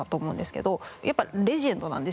やっぱレジェンドなんですよね。